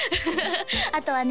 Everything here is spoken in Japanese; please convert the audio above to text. あとはね